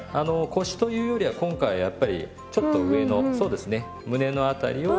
腰というよりは今回やっぱりちょっと上のそうですね胸の辺りを。